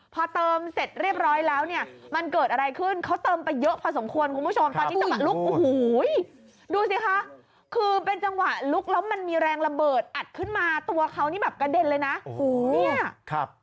พอเติมเสร็จเรียบร้อยแล้วเนี่ยมันเกิดอะไรขึ้นเขาเติมไปเยอะพอสมควรคุณผู้ชมตอนที่จังหวะลุกโอ้โหดูสิคะคือเป็นจังหวะลุกแล้วมันมีแรงระเบิดอัดขึ้นมาตัวเขานี่แบบกระเด็นเลยนะโอ้โหเนี่ยครับ